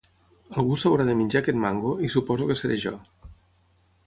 Algú s'haurà de menjar aquest mango, i suposo que seré jo.